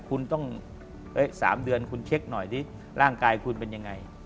คุณต้อง๓เดือนคุณเช็คหน่อยดิร่างกายคุณเป็นยังไง